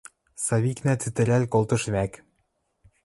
Савикнӓ цӹтӹрӓл колтыш вӓк.